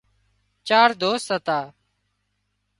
چار دوست هتا